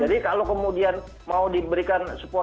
jadi kalau kemudian mau diberikan supporter